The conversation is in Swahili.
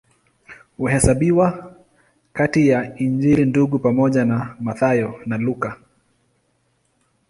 Huhesabiwa kati ya Injili Ndugu pamoja na Mathayo na Luka.